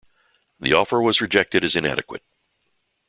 The offer was rejected as inadequate.